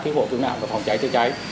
chữa bộ tử nạn và phòng cháy chữa cháy